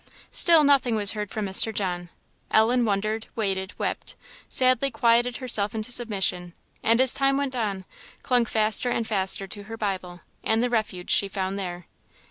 Still nothing was heard from Mr. John; Ellen wondered, waited, wept; sadly quieted herself into submission, and as time went on, clung faster and faster to her Bible, and the refuge she found there.